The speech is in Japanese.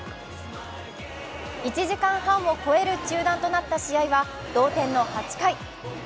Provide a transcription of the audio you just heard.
１時間半を超える中断となった試合は同点の８回。